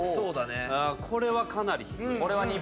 これはかなり低い。